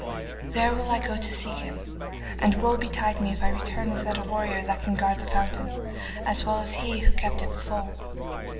There will I go to seek him, and woe betide me if I return without a warrior that can guard the fountain, as well as he who kept it before.